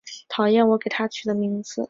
讨厌我给她取的名字